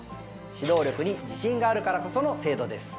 指導力に自信があるからこその制度です。